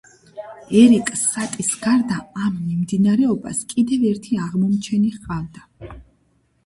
ერიკ სატის გარდა ამ მიმდინარეობას კიდევ ერთი აღმომჩენი ჰყავდა.